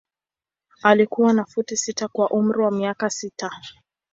Alikuwa na futi sita kwa umri wa miaka sita.